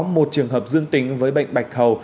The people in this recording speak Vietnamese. một trường hợp dương tính với bệnh bạch hầu